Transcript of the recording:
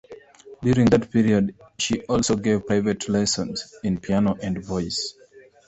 During that period she also gave private lessons in piano and voice.